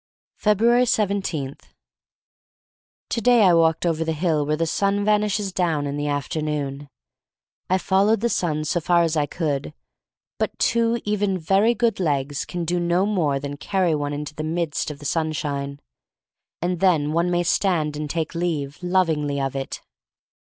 jfebtuatp 17* TO DAY I walked over the hill where the sun vanishes down in the afternoon. I followed the sun so far as I could, but two even very good legs can do no more than carry one into the midst of the sunshine — and then one may stand and take leave, lovingly, of it.